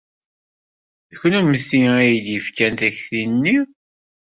D kennemti ay d-yefkan takti-nni?